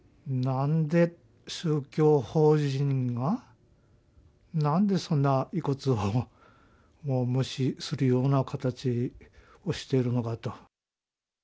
なんで宗教法人が、なんでそんな、遺骨を無視するような形をしてるのかと。